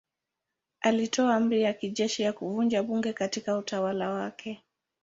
Alitoa amri ya kijeshi ya kuvunja bunge katika utawala wake.